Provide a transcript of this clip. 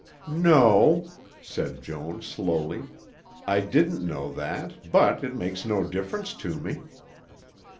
"No," said Joan slowly, "I didn't know that But it makes no difference to me."